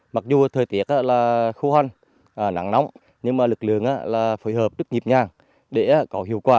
mặc dù thời tiết là khô hành nắng nóng nhưng mà lực lượng là phối hợp rất nhịp nhàng để có hiệu quả